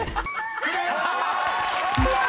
［クリア！］